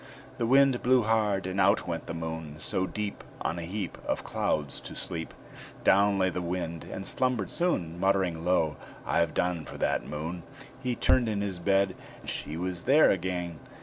The Wind blew hard, and out went the Moon. So, deep On a heap Of clouds to sleep, Down lay the Wind, and slumbered soon, Muttering low, "I've done for that Moon." He turned in his bed; she was there again!